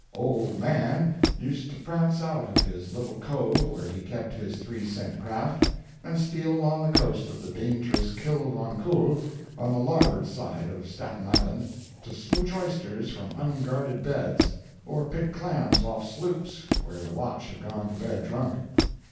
Old Mann used to prance out of his little cove where he kept his three cent craft, and steal along the coast of the dangerous Kill von Kull, on the larboard side of Staten Island, to smouch oysters from unguarded beds, or pick clams off sloops where the watch had gone to bed drunk.